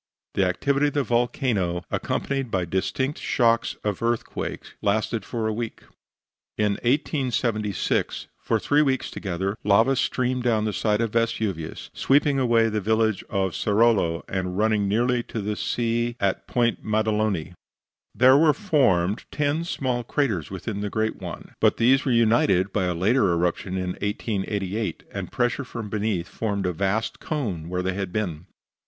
The activity of the volcano, accompanied by distinct shocks of earthquake, lasted for a week. In 1876, for three weeks together, lava streamed down the side of Vesuvius, sweeping away the village of Cercolo and running nearly to the sea at Ponte Maddaloni. There were then formed ten small craters within the greater one. But these were united by a later eruption in 1888, and pressure from beneath formed a vast cone where they had been.